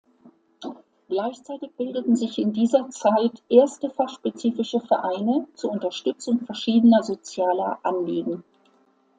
Gleichzeitig bildeten sich in dieser Zeit erste ‚fachspezifische‘ Vereine zur Unterstützung verschiedener sozialer Anliegen.